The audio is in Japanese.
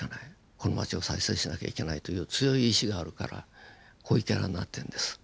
この町を再生しなきゃいけないという強い意志があるから濃いキャラになってるんです。